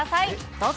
どうぞ。